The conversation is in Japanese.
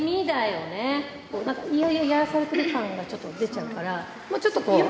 なんか、嫌々やらされてる感が、ちょっと出ちゃうから、もうちょっと。